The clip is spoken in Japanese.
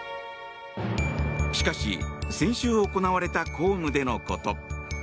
しかし、先週行われた公務でのこと。